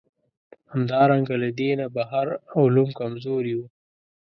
همدارنګه له دینه بهر علوم کمزوري وو.